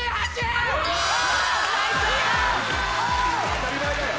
当たり前だよ。